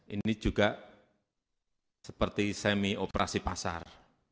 ini juga seperti semi operasi pasar